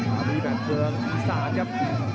มานี่แบบเบื้องอีสาจับ